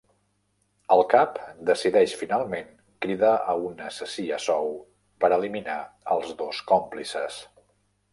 El cap decideix finalment cridar a un assassí a sou per eliminar els dos còmplices.